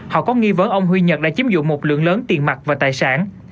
họ có nghi vấn ông huy nhật đã chiếm dụng một lượng lớn tiền mặt và tài sản